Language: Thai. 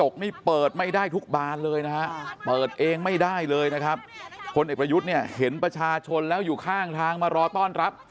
เอกประยุทธ์เนี่ยเห็นประชาชนแล้วอยู่ข้างทางมารอต้อนรับ